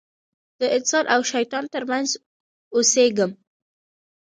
د انسان او شیطان تر منځ اوسېږم.